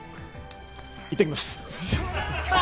いってきます。